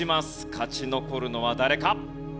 勝ち残るのは誰か？